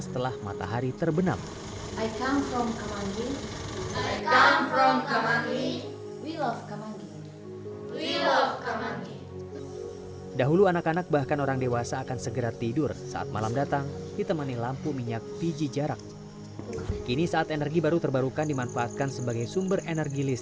ternyata pln juga punya respon bagus